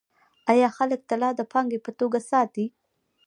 آیا خلک طلا د پانګې په توګه ساتي؟